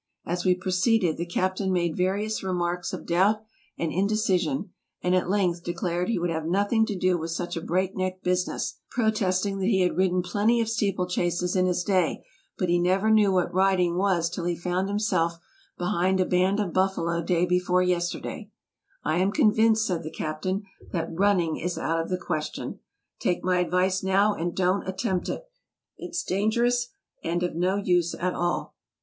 As we proceeded the captain made various remarks of doubt and indecision; and at length declared he would have nothing to do with such a breakneck business; protesting that he had ridden plenty of steeple chases in his day, but he never knew what riding was till he found himself behind a band of buffalo day before yester day, "lam convinced, '' said the captain ,'' that ' running ' is out of the question. Take my advice now and don't attempt it. It's dangerous, and of no use at all."